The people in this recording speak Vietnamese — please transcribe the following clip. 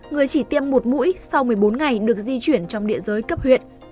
người chỉ tiêm một mũi sau một mươi bốn ngày được di chuyển trong địa giới cấp huyện